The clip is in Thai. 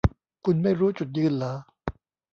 คุณไม่รู้จุดยืนหรอ